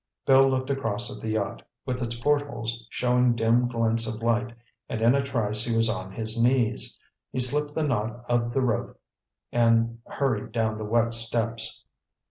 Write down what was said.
Bill looked across at the yacht, with its portholes showing dim glints of light, and in a trice he was on his knees. He slipped the knot of the rope and hurried down the wet steps.